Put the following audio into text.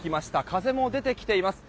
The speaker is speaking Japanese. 風も出てきています。